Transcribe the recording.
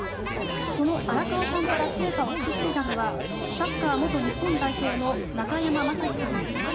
その荒川さんから聖火を引き継いだのはサッカー元日本代表の中山雅史さんです。